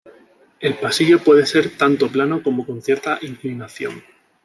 El pasillo puede ser tanto plano como con cierta inclinación.